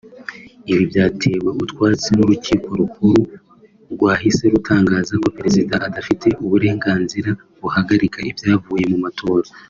Ibi byatewe utwatsi n’Urukiko Rukuru rwahise rutangaza ko Perezida adafite uburenganzira buhagarika ibyavuye mu matora